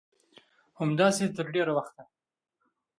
همداسې تر ډېره وخته